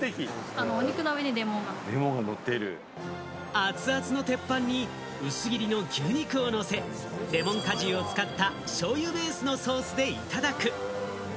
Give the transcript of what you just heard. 熱々の鉄板に薄切りの牛肉をのせ、レモン果汁を使ったしょうゆベースのソースでいただく。